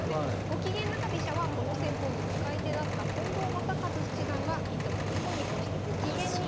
ゴキゲン中飛車はこの戦法の使い手だった近藤正和七段がいつもにこにこしてご機嫌に。